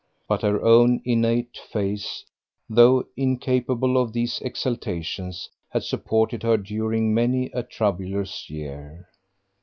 But her own innate faith, though incapable of these exaltations, had supported her during many a troublous year.